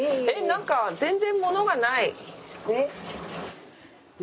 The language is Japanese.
何か全然物がない。